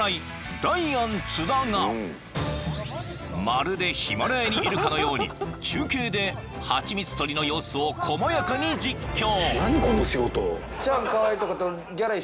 ［まるでヒマラヤにいるかのように中継でハチミツ採りの様子を細やかに実況］